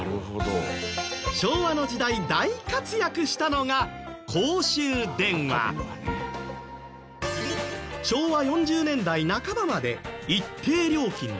昭和の時代大活躍したのが昭和４０年代半ばまで一定料金で話し放題だった。